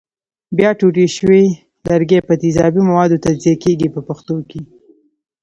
بیا ټوټې شوي لرګي په تیزابي موادو تجزیه کېږي په پښتو کې.